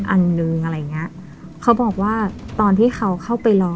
อันหนึ่งอะไรอย่างเงี้ยเขาบอกว่าตอนที่เขาเข้าไปรอ